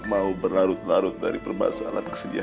merasa berhutang budi kepada kalian semua